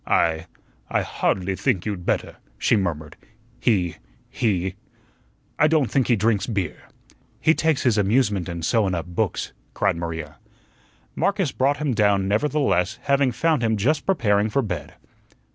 "I I hardly think you'd better," she murmured; "he he I don't think he drinks beer." "He takes his amusement in sewin' up books," cried Maria. Marcus brought him down, nevertheless, having found him just preparing for bed.